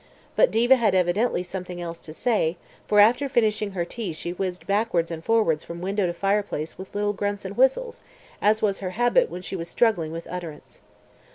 But Diva had evidently something else to say, for after finishing her tea she whizzed backwards and forwards from window to fireplace with little grunts and whistles, as was her habit when she was struggling with utterance.